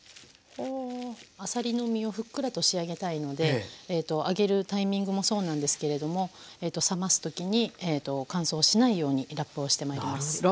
あさりの身をふっくらと仕上げたいのであげるタイミングもそうなんですけれども冷ます時に乾燥しないようにラップをしてまいります。